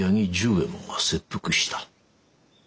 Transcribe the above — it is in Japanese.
右衛門が切腹した。